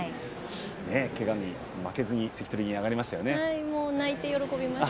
けがに負けずに関取に上がりましたね。